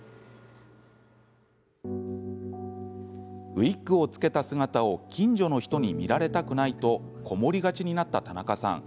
ウイッグを着けた姿を近所の人に見られたくないと籠もりがちになった田中さん。